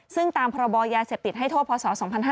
ซึ่งตามพรบยาเสพติดให้โทษพศ๒๕๕๙